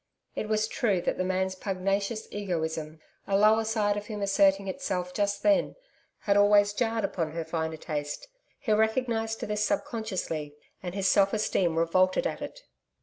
It was true that the man's pugnacious egoism a lower side of him asserting itself just then had always jarred upon her finer taste. He recognised this subconsciously, and his self esteem revolted at it.